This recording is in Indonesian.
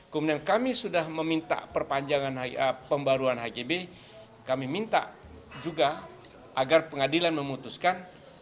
kemudian kami sudah meminta perpanjangan pembaruan hgb kami minta juga agar pengadilan memutuskan